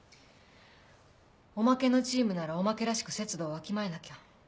おまけのチームならおまけらしく節度をわきまえなきゃ。